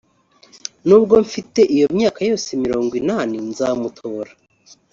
nubwo mfite iyo myaka yose mirongo inani nzamutora